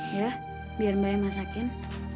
ya biar mbaknya masakin